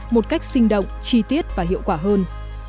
một cách sinh động chi tiết và hiệu quả hơn